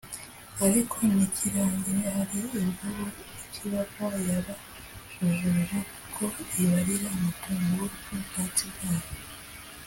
ariko ntikirangire hari imvubu ikibamo yabajujubije kuko ibarira amatungo n’ubwatsi bwayo